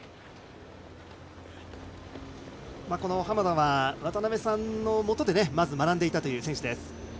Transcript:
浜田は渡辺さんのもとでまず学んでいたという選手です。